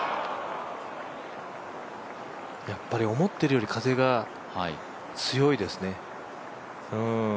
やっぱり思ってるより風が強いですね。